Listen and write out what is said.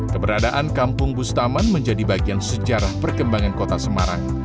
keberadaan kampung bustaman menjadi bagian sejarah perkembangan kota semarang